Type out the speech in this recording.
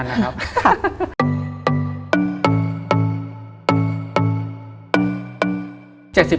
อยากจะเต้นเหมือนกันนะครับ